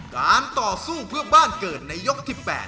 การต่อสู้เพื่อบ้านเกิดในยกที่๘